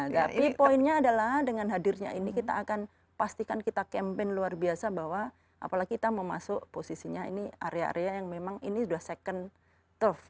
tapi poinnya adalah dengan hadirnya ini kita akan pastikan kita campaign luar biasa bahwa apalagi kita mau masuk posisinya ini area area yang memang ini sudah second turf